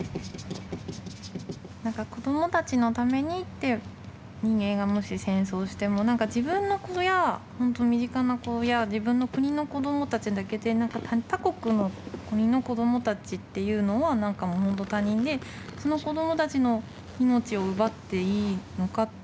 何か「子どもたちのために」って人間がもし戦争をしても何か自分の子やほんと身近な子や自分の国の子どもたちだけで何か他国の国の子どもたちっていうのは何かほんと他人でその子供たちの命を奪っていいのかって。